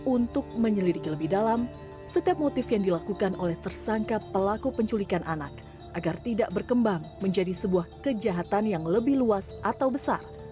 untuk menyelidiki lebih dalam setiap motif yang dilakukan oleh tersangka pelaku penculikan anak agar tidak berkembang menjadi sebuah kejahatan yang lebih luas atau besar